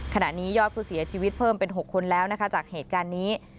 ขณะนี้ยอดผู้เสียชีวิตเพิ่มเป็น๖คนแล้วนะคะจากเหตุการณ์นี้